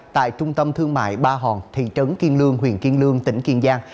tại trung tâm thương mại ba hòn thị trấn kiên lương huyện kiên lương tỉnh kiên giang